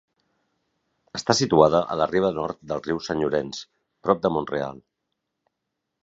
Està situada a la riba nord del riu Sant Llorenç, prop de Mont-real.